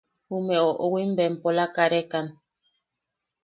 Jume oʼowim bempola karekan.